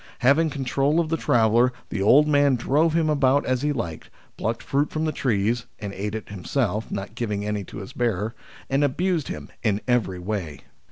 Having con trol of the traveller, the old man drove him about as he liked, plucked fruit from the trees, and ate it himself, not giving any to his bearer, and abused him in every way.